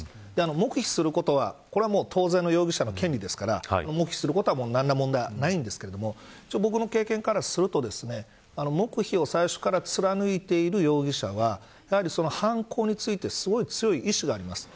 黙秘することは、当然の容疑者の権利ですから黙秘することは何ら問題ないんですが僕の経験からすると黙秘を最初から貫いている容疑者はやはり犯行についてすごい強い意志があります。